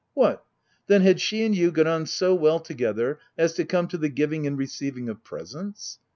" What, then, had she and you got on so well together as to come to the giving and receiving of presents?